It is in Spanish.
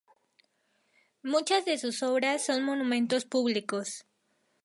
Muchas de sus obras son monumentos públicos.